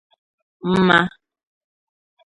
mmà